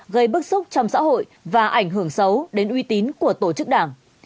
gây bức xúc trong xã hội và ảnh hưởng xấu đến uy tín của tổ chức đảng